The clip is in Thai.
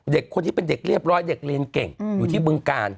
เด็กคนที่เป็นเด็กเรียบร้อยเด็กเรียนเก่งอยู่ที่บึงกาล